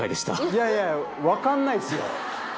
いやいや分かんないっすよ。